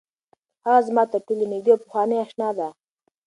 هغه زما تر ټولو نږدې او پخوانۍ اشنا ده.